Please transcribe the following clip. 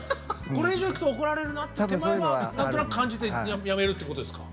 これ以上いくと怒られるなっていう手前は何となく感じてやめるっていうことですか？